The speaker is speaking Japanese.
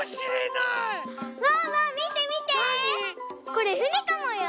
これふねかもよ？